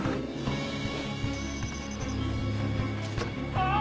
ああ！